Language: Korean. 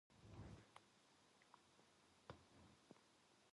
날씨가 너무 좋아서 밖에 나가야겠어.